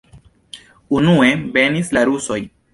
Unue venis la rusoj.